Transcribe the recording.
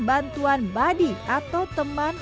bantuan buddy atau teman